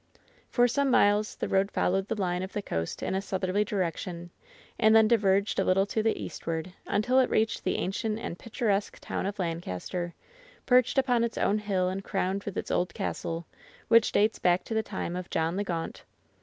For some miles the road followed the line of the coast in a southerly direction, and then diverged a little to the eastward until it reached the ancient and picturesque town of Lancaster, perched upon its own hill and crowned with its old castle, which dates back to the time of John of Gaunt.